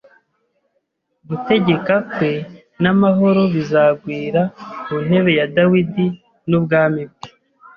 Gutegeka kwe n’amahoro bizagwira ku ntebe ya Dawidi n’ubwami bwe,